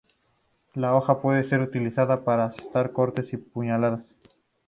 La hoja puede ser utilizada para asestar cortes y puñaladas.